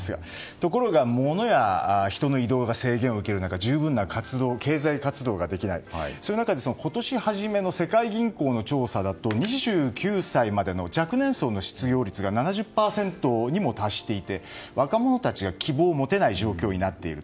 ところが、モノや人の移動が制限を受ける中十分な経済活動ができないという中で、今年初めの世界銀行の調査だと２９歳までの若年層の失業率が７０％にも達していて若者たちが希望を持てない状況になっている。